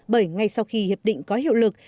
bởi ngay sau khi hiệp định có hiệu lực